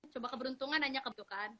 coba keberuntungan aja kebutuhan